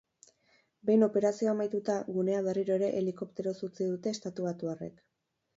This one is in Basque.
Behin operazioa amaituta, gunea berriro ere helikopteroz utzi dute estatubatuarrek.